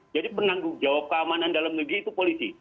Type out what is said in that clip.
jadi penanggung jawab keamanan dalam negeri itu polisi